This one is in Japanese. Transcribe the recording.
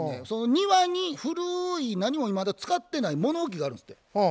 庭に古い何も使ってない物置があるんですって。